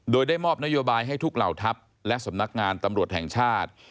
โดยได้มอบนโยบายให้ทุกเหล่าทัพและสำนักงานตำรวจแห่งชาติ